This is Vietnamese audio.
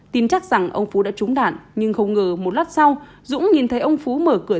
tin chắc rằng ông phú đã trúng đạn nhưng không ngờ một lát sau dũng nhìn thấy ông phú mở cửa